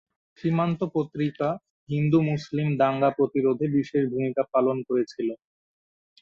সীমান্ত পত্রিকা হিন্দু-মুসলিম দাঙ্গা প্রতিরোধে বিশেষ ভূমিকা পালন করেছিল।